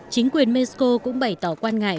chính quyền mexico cũng bày tỏ quan ngại